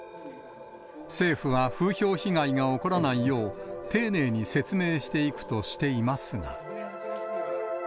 政府は風評被害が起こらないよう、丁寧に説明していくとしていますが。